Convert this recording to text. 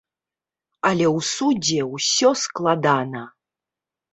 Але ў судзе ўсё складана.